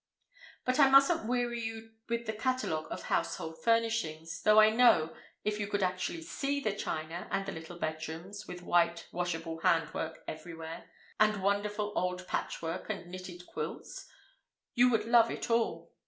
But I mustn't weary you with a catalogue of household furnishings, though I know, if you could actually see the china and the little bedrooms, with white, washable handwork everywhere, and wonderful old patchwork and knitted quilts, you would love it all.